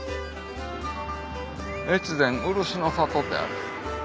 「越前うるしの里」ってある。